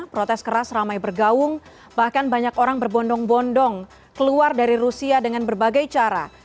protes keras ramai bergaung bahkan banyak orang berbondong bondong keluar dari rusia dengan berbagai cara